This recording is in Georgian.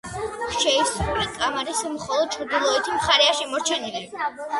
შეისრული კამარის მხოლოდ ჩრდილოეთი მხარეა შემორჩენილი.